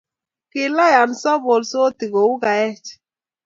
Kilayan so bolsoti ku kaech?